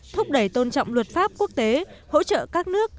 thúc đẩy tôn trọng luật pháp quốc tế hỗ trợ các nước